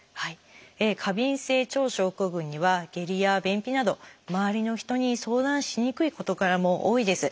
過敏性腸症候群には下痢や便秘など周りの人に相談しにくい事柄も多いです。